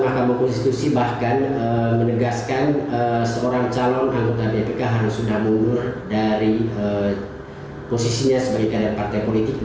mahkamah konstitusi bahkan menegaskan seorang calon anggota bpk harus sudah mundur dari posisinya sebagai kader partai politik